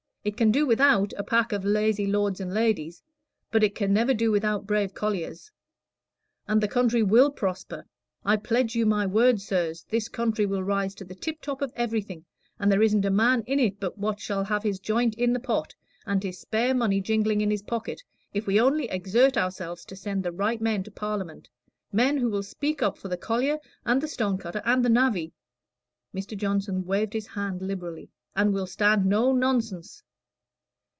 It can do without a pack of lazy lords and ladies, but it can never do without brave colliers. And the country will prosper. I pledge you my word, sirs, this country will rise to the tiptop of everything, and there isn't a man in it but what shall have his joint in the pot, and his spare money jingling in his pocket, if we only exert ourselves to send the right men to Parliament men who will speak up for the collier, and the stone cutter, and the navvy" (Mr. Johnson waved his hand liberally), "and will stand no nonsense.